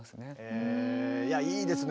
へえいやいいですね。